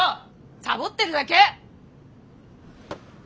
サボってるだけ！